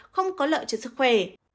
không có lợi cho sức khỏe